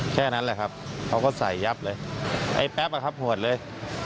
แค่นั้นแหละครับเขาก็ใส่ยับเลยไอ้แป๊บอะครับหวดเลย